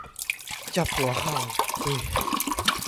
จับหัวเข่าพูด